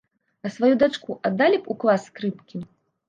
А сваю дачку аддалі б у клас скрыпкі?